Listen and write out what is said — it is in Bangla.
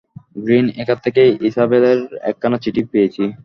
গ্রীনএকার থেকে ইসাবেল-এর একখানা চিঠি পেয়েছি।